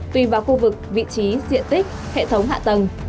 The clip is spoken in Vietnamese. tùy vào khu vực vị trí diện tích hệ thống hạ tầng